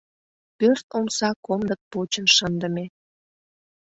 Пӧрт омса комдык почын шындыме.